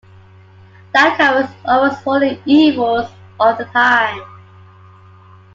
That covers almost all the evils of the time.